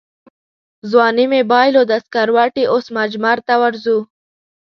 ځواني مې بایلوده سکروټې اوس مجمرته ورځو